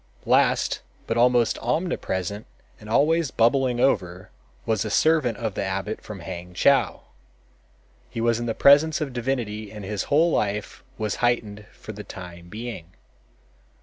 Last, but almost omnipresent and always bubbling over, was a servant of the abbot from Hangchow. He was in the presence of divinity and his whole life was heightened for the time being.